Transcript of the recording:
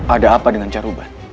ada apa dengan caruban